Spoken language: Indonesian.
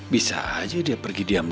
bisa aja dia pergi di rumah